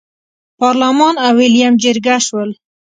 پارلمان او ویلیم جرګه شول.